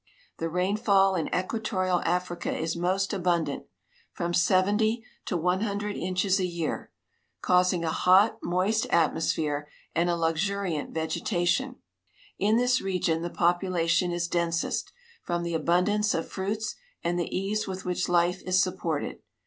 The rainfall in equatorial Africa is most abundant, from sevent\" to AFRICA SINCE 1S88 1 1 3 one hundred inclies a }'ear, causing a hot, moist atmosphere and a luxuriant vegetation. In this region the population is densest, from the abundance of fruits and the ease with which life is sup ported.